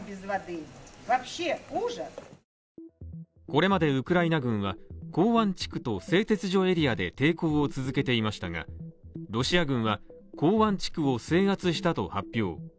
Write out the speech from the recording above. これまでウクライナ軍は港湾地区と製鉄所エリアで抵抗を続けていましたがロシア軍は、港湾地区を制圧したと発表。